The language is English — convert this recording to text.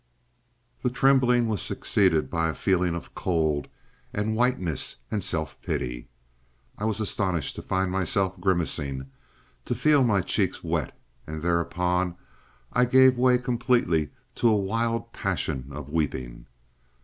That trembling was succeeded by a feeling of cold, and whiteness, and self pity. I was astonished to find myself grimacing, to feel my cheeks wet, and thereupon I gave way completely to a wild passion of weeping.